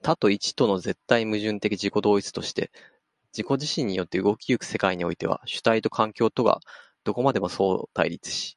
多と一との絶対矛盾的自己同一として自己自身によって動き行く世界においては、主体と環境とがどこまでも相対立し、